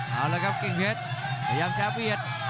เอาละครับกิ่งเพชรพยายามจะเบียด